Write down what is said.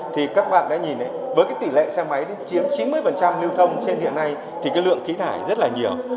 thì các bạn đã nhìn với cái tỷ lệ xe máy chiếm chín mươi lưu thông trên hiện nay thì cái lượng khí thải rất là nhiều